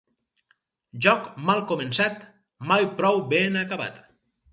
Joc mal començat mai prou ben acabat.